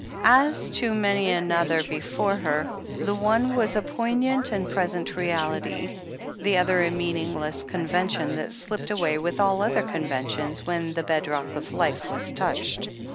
As to many another before her, the one was a poig nant and present reality, the other a meaningless con vention that slipped away with all other conventions when the bedrock of life was touched.